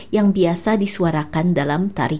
yang biasa disuarakan dalam tarik